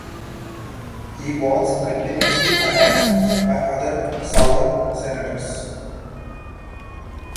He was continuously attacked by other Southern senators.